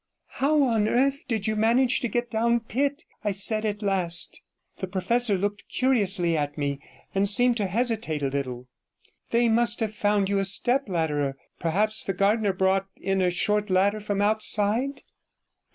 'How on earth did you manage to get down Pitt?' I said at last. The professor looked curiously at me, and seemed to hesitate a little. 'They must have found you a step ladder, or perhaps the gardener brought in a short ladder from outside?'